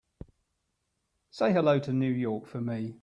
Say hello to New York for me.